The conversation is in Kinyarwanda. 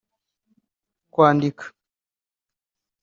Kwandika